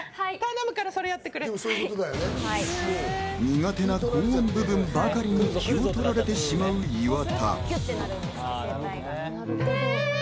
苦手な高音部分にばかり気をとられてしまう岩田。